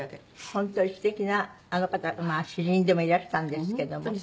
本当に素敵なあの方はまあ詩人でもいらしたんですけども。